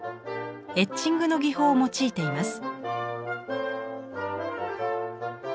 エッチングの技法を用いています。